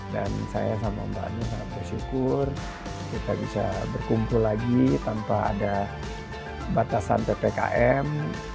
dan saya sama mbak nusra bersyukur kita bisa berkumpul lagi tanpa ada batasan ppkm